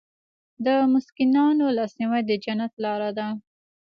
د مسکینانو لاسنیوی د جنت لاره ده.